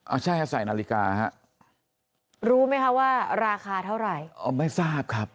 เอาใช่ฮะใส่นาฬิกาฮะรู้ไหมคะว่าราคาเท่าไหร่อ๋อไม่ทราบครับ